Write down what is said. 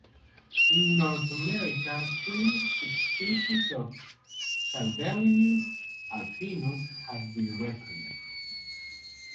In North America, three subspecies of "Salvelinus alpinus" have been recognized.